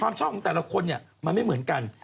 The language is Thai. ชอบของแต่ละคนเนี่ยมันไม่เหมือนกัน